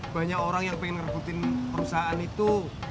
banyak orang yang pengen ngerebutin perusahaan itu